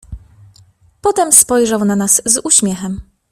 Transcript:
"Potem spojrzał na nas z uśmiechem."